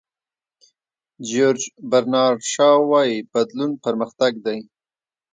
جیورج برنارد شاو وایي بدلون پرمختګ دی.